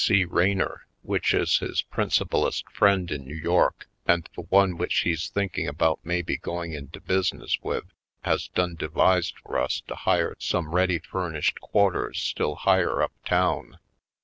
C. Raynor, which is his principalest friend in New York and the one which he's thinking about maybe going into business with, has done devised for us to hire some ready furnished quarters still higher up town.